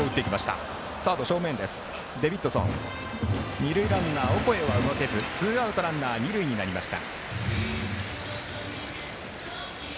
二塁ランナー、オコエは動けずツーアウト、ランナー、二塁になりました。